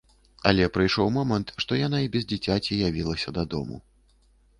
Але прыйшоў момант, што яна і без дзіцяці явілася дадому.